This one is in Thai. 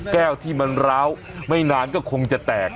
แก้วที่มันร้าวไม่นานก็คงจะแตก